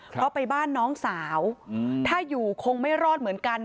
เพราะไปบ้านน้องสาวถ้าอยู่คงไม่รอดเหมือนกัน